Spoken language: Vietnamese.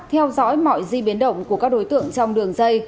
theo dõi mọi di biến động của các đối tượng trong đường dây